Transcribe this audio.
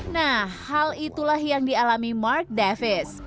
nah hal itulah yang dialami mark davis